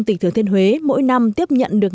tỉnh thường thiên huế mỗi năm tiếp nhận được